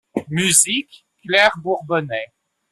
Musique: Claire Bourbonnais.